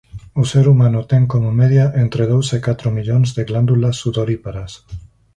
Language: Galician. O ser humano ten como media entre dous e catro millóns de glándulas sudoríparas.